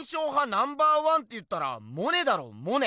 ナンバーワンっていったらモネだろモネ！